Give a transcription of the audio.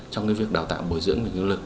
trong việc đào tạo bồi dưỡng nguồn nhân lực